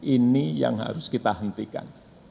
ini yang harus kita hentikan